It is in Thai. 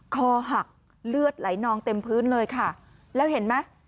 คอหักเลือดไหลนองเต็มพื้นเลยค่ะแล้วเห็นไหม